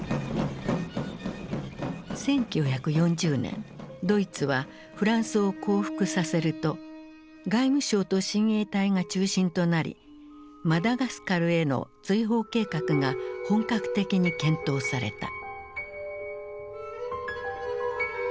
１９４０年ドイツはフランスを降伏させると外務省と親衛隊が中心となりマダガスカルへの追放計画が本格的に検討された。